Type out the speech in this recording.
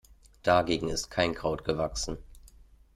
Dagegen ist kein Kraut gewachsen.